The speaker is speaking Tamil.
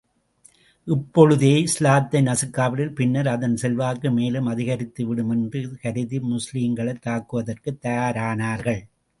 இப்பொழுதே இஸ்லாத்தை நசுக்காவிடில், பின்னர் அதன் செல்வாக்கு மேலும் அதிகரித்து விடும் என்று கருதி, முஸ்லிம்களைத் தாக்குவதற்குத் தயாரானார்கள்.